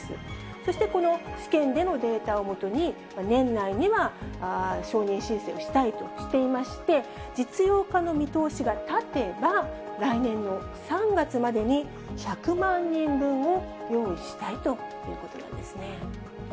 そしてこの治験でのデータを基に、年内には承認申請をしたいとしていまして、実用化の見通しが立てば、来年の３月までに１００万人分を用意したいということなんですね。